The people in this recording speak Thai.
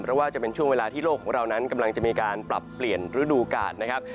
เพราะว่าจะเป็นช่วงเวลาที่โลกของเรานั้นกำลังจะมีการปรับเปลี่ยนฤดูกาลนะครับ